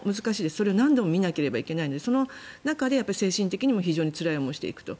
それを何度も見なければいけないのでその中で精神的にもつらい思いをしていくと。